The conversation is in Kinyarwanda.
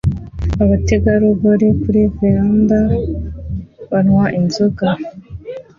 abategarugori kuri veranda banywa inzoga